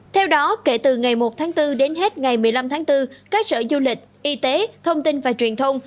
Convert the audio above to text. theo đó kể từ ngày một tháng bốn đến hết ngày một mươi năm tháng bốn các sở du lịch y tế thông tin và truyền thông